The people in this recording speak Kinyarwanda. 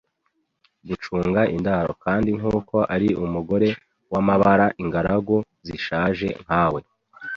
gucunga indaro; kandi nkuko ari umugore wamabara, ingaragu zishaje nkawe